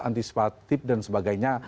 antisipatif dan sebagainya